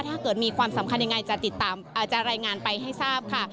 ถ้าเกิดมีความสำคัญยังไงจะติดตามจะรายงานไปให้ทราบค่ะ